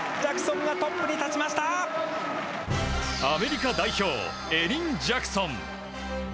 アメリカ代表エリン・ジャクソン。